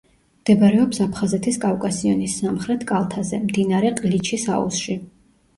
მდებარეობს აფხაზეთის კავკასიონის სამხრეთ კალთაზე, მდინარე ყლიჩის აუზში.